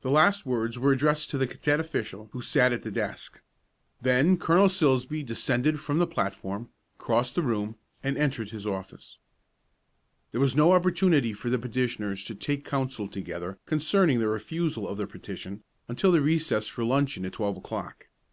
The last words were addressed to the cadet official who sat at the desk. Then Colonel Silsbee descended from the platform, crossed the room, and entered his office. There was no opportunity for the petitioners to take counsel together concerning the refusal of their petition until the recess for luncheon at twelve o'clock.